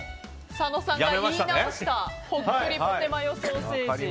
佐野さんが言い直したほっくりポテマヨソーセージ。